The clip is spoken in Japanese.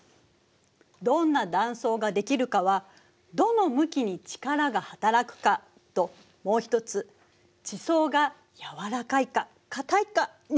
どんな断層ができるかはどの向きに力がはたらくかともう一つ地層が柔らかいか硬いかにもよるの。